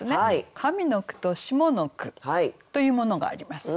上の句と下の句というものがあります。